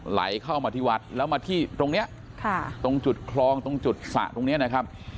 ไหลเข้ามาที่วัดแล้วมาที่ตรงนี้ตรงจุดคลองตรงจุดสระตรงนี้นะครับ